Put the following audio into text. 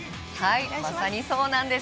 まさにそうなんです！